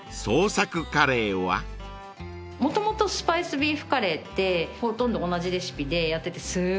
もともとスパイスビーフカレーってほとんど同じレシピでやっててすごい人気。